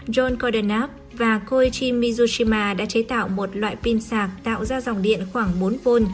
john condenab và koichi mizushima đã chế tạo một loại pin sạc tạo ra dòng điện khoảng bốn v